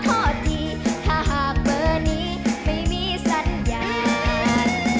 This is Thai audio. ข้อดีถ้าหากเบอร์นี้ไม่มีสัญญาณ